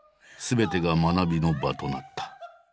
すべてが学びの場となった。